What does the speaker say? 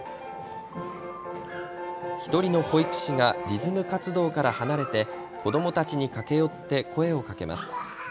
１人の保育士がリズム活動から離れて子どもたちに駆け寄って声をかけます。